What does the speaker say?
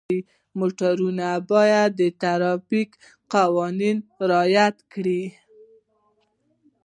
موټروان باید د ټرافیک قوانین رعایت کړي.